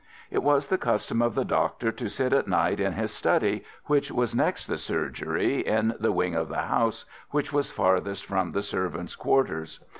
It was the custom of the doctor to sit at night in his study, which was next the surgery in the wing of the house which was farthest from the servants' quarters.